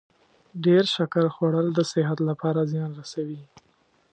ډیر شکر خوړل د صحت لپاره زیان رسوي.